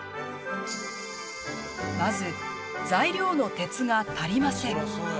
まず、材料の鉄が足りません。